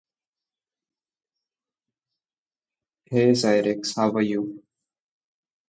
Scores and results list South Africa's points tally first.